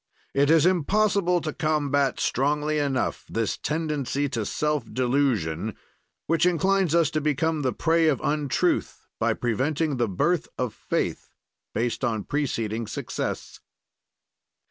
"It is impossible to combat strongly enough this tendency to self delusion, which inclines us to become the prey of untruth, by preventing the birth of faith, based on preceding success.